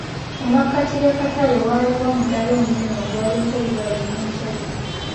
Mu makkati g'akatale waaliwo omudaala omunene ogwaliko ebibala eby'enjawulo.